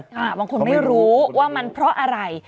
บางคนไม่รู้ว่ามันเพราะอะไร